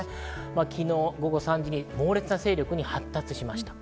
昨日午後３時に猛烈な勢力に発達しました。